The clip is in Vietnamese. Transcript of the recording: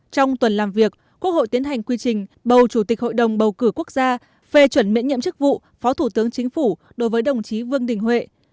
trong tuần làm việc quốc hội tiến hành quy trình bầu chủ tịch hội đồng bầu cử quốc gia phê chuẩn miễn nhiệm chức vụ phó thủ tướng chính phủ đối với đồng chí vương đình huệ